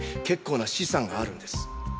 結構な資産があるんです。